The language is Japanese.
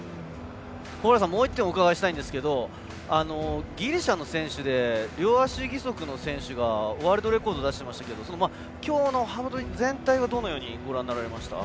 保原さんもう１点お伺いしたいんですがギリシャの選手が両足義足の選手がワールドレコード出していましたけれどもきょうの幅跳び全体はどのようにご覧になりましたか。